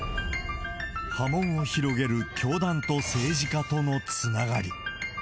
波紋を広げる教団と政治家とのつながり。